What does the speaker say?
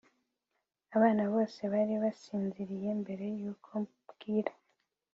abana bose bari basinziriye mbere yuko bwira